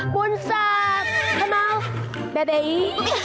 บุญสาปใช่ไหมแบบนี้